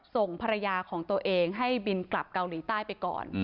ส่งภรรยาของตัวเองให้บินกลับเกาหลีใต้ไปก่อน